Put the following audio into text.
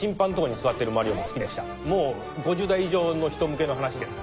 ５０代以上の人向けの話です。